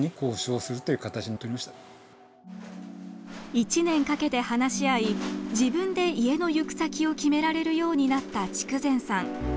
１年かけて話し合い自分で家の行く先を決められるようになった筑前さん。